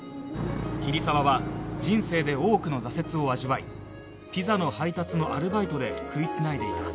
桐沢は人生で多くの挫折を味わいピザの配達のアルバイトで食い繋いでいた